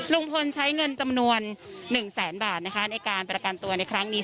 ลุงพลใช้เงินจำนวน๑แสนบาทนะคะในการประกันตัวในครั้งนี้